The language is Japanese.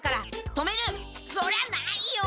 そりゃないよ！